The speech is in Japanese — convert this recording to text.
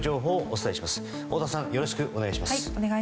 よろしくお願いします。